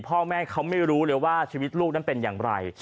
พ่อแม่เขาไม่รู้เลยว่าชีวิตลูกนั้นเป็นอย่างไร